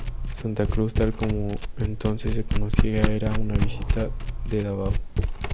Santa Cruz, tal como entonces se conocía, era una visita de Davao.